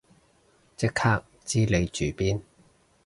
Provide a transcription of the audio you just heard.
即刻知你住邊